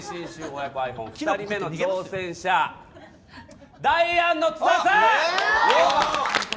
親子愛フォン２人目の挑戦者ダイアンの津田さん。